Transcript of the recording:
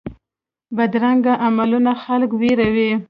بدرنګه عملونه خلک ویروي